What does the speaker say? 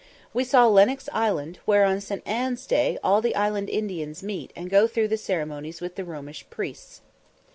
We saw Lenox Island, where on St. Ann's day all the island Indians meet and go through ceremonies with the Romish priests.